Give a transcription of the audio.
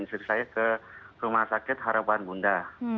istri saya ke rumah sakit harapan bunda